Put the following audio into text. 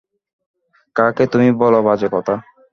কাকে তুমি বল বাজে কথা?